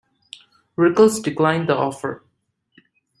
Rickles declined the offer.